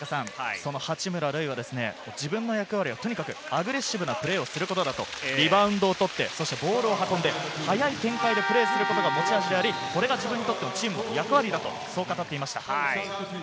その八村塁は、自分の役割はとにかくアグレッシブなプレーをすることでリバウンドを取ってボールを運んで、早い展開でプレーすることが持ち味であり、これが自分にとって、チームにとっての役割だと話してました。